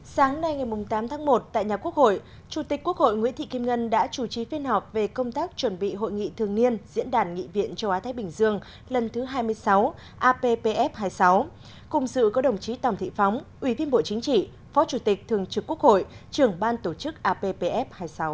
sáng nay ngày tám tháng một tại nhà quốc hội chủ tịch quốc hội nguyễn thị kim ngân đã chủ trì phiên họp về công tác chuẩn bị hội nghị thường niên diễn đàn nghị viện châu á thái bình dương lần thứ hai mươi sáu appf hai mươi sáu cùng dự có đồng chí tòng thị phóng ủy viên bộ chính trị phó chủ tịch thường trực quốc hội trưởng ban tổ chức appf hai mươi sáu